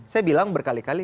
saya bilang berkali kali